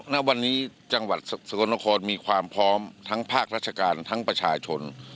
ณวันนี้จังหวัดสกลนครมีความพร้อมทั้งภาคราชการทั้งประชาชน